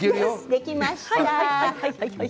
できました。